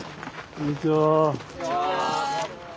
こんにちは。